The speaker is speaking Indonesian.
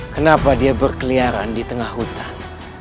kenapa dia berkeliaran di tengah hutan